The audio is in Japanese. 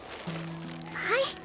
はい。